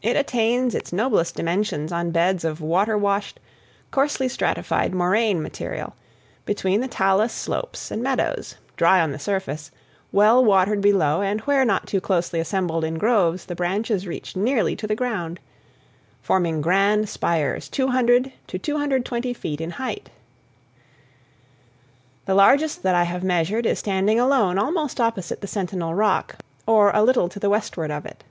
It attains its noblest dimensions on beds of water washed, coarsely stratified moraine material, between the talus slopes and meadows, dry on the surface, well watered below and where not too closely assembled in groves the branches reach nearly to the ground, forming grand spires 200 to 220 feet in height. The largest that I have measured is standing alone almost opposite the Sentinel Rock, or a little to the westward of it.